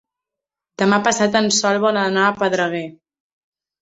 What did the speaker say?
Demà passat en Sol vol anar a Pedreguer.